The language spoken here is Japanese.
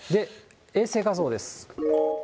衛星画像です。